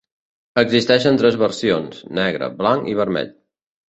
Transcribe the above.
Existeixen tres versions: negre, blanc i vermell.